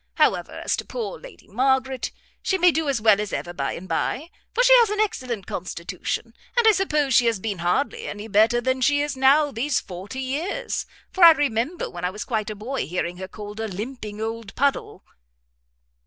However, as to poor Lady Margaret, she may do as well as ever by and bye, for she has an excellent constitution, and I suppose she has been hardly any better than she is now these forty years, for I remember when I was quite a boy hearing her called a limping old puddle."